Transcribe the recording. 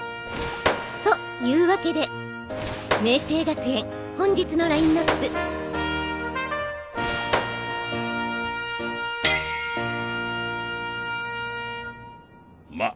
というわけで明青学園本日のラインアップま